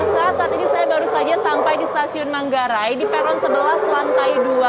saat ini saya baru saja sampai di stasiun manggarai di peron sebelas lantai dua